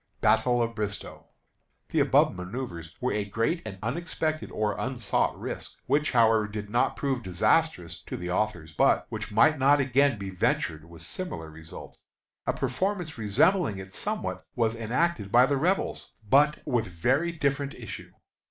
BATTLE OF BRISTOE. The above manoeuvre was a great and unexpected or unsought risk, which, however, did not prove disastrous to the authors, but which might not again be ventured with similar results. A performance resembling it somewhat was enacted by the Rebels, but with very different issue.